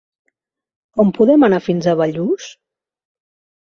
Com podem anar fins a Bellús?